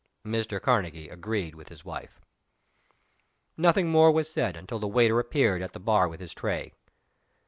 Mr. Karnegie agreed with his wife. Nothing more was said until the waiter appeared at the bar with his tray.